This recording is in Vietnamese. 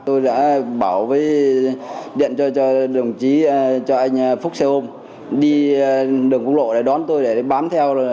tôi đã bảo với điện cho đồng chí cho anh phúc xe ôm đi đường cung lộ đón tôi để bám theo